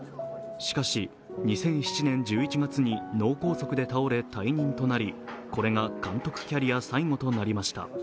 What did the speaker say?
しかし、２００７年１１月に脳梗塞で倒れ退任となり、これが監督キャリア最後となりました。